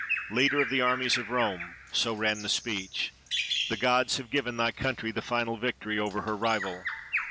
"Leader of the armies of Rome," so ran the speech, "the gods have given thy country the final victory over her rival.